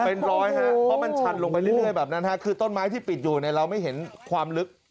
เพราะมันชันลงไปเรื่อยแบบนั้นครับคือต้นไม้ที่ปิดอยู่เราไม่เห็นความลึก